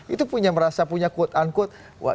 itu punya merasa punya quote unquote